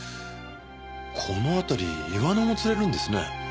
この辺りイワナも釣れるんですね。